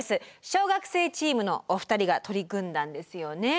小学生チームのお二人が取り組んだんですよね？